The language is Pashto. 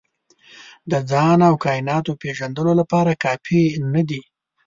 د ځان او کایناتو پېژندلو لپاره کافي نه دي.